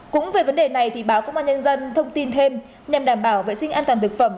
cũng về vấn đề này thì báo công an nhân dân thông tin thêm nhằm đảm bảo vệ sinh an toàn thực phẩm